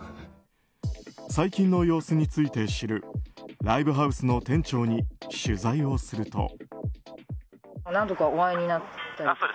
最近の様子について知るライブハウスの店長に取材をすると。